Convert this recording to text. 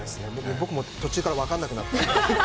僕も途中から分からなくなっています。